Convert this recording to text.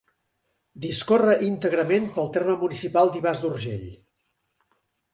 Discorre íntegrament pel terme municipal d'Ivars d'Urgell.